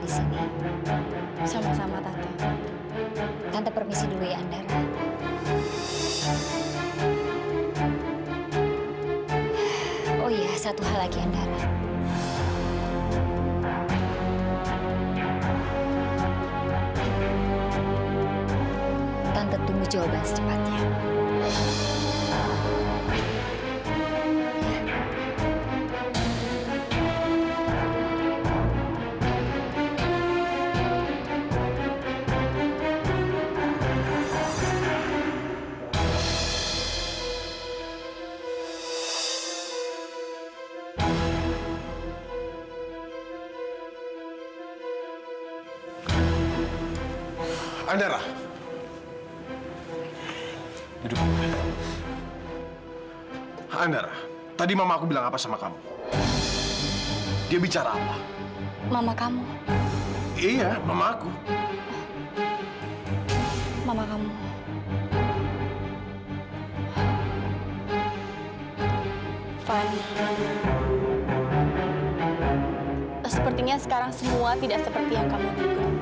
sepertinya sekarang semua tidak seperti yang kamu inginkan